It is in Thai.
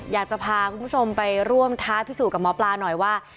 อยากจะพาคุณผู้ชมไปร่วมท้าพิสูจนกับหมอปลาหน่อยว่า